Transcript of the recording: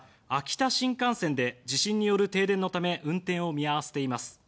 秋田新幹線で地震による停電のため運転を見合わせています。